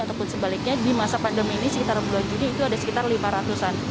ataupun sebaliknya di masa pandemi ini sekitar bulan juni itu ada sekitar lima ratus an